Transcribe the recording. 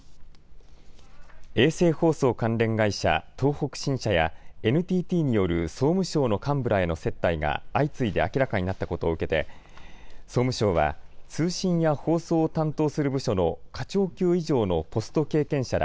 衛星放送関連会社、東北新社やＮＴＴによる総務省の幹部らへの接待が相次いで明らかになったことを受けて総務省は通信や放送を担当する部署の課長級以上のポスト経験者ら